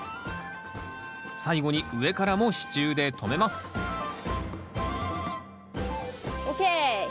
最後に上からも支柱で留めますＯＫ！